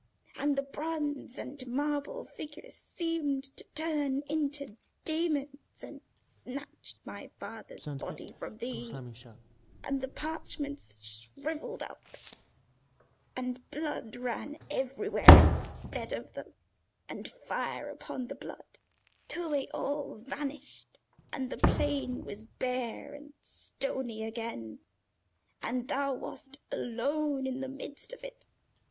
And the bronze and marble figures seemed to turn into demons and snatch my father's body from thee, and the parchments shrivelled up, and blood ran everywhere instead of them, and fire upon the blood, till they all vanished, and the plain was bare and stony again, and thou wast alone in the midst of it.